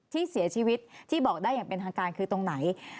ที่เสียชีวิตที่บอกได้อย่างเป็นทางการคือตรงไหน